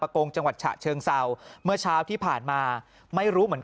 กงจังหวัดฉะเชิงเศร้าเมื่อเช้าที่ผ่านมาไม่รู้เหมือนกัน